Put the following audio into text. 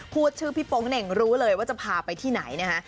พูดชื่อพี่โป๊งเหน่งรู้เลยว่าจะพาไปที่ไหนนะฮะ